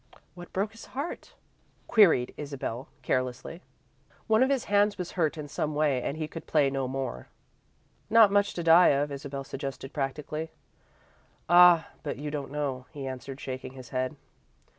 "What broke his heart?" queried Isabel, carelessly. "One of his hands was hurt in some way, and he could play no more." "Not much to die of," Isabel suggested, practically. "Ah, but you don't know," he answered, shaking his head.